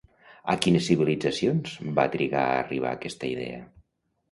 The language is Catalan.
A quines civilitzacions va trigar a arribar aquesta idea?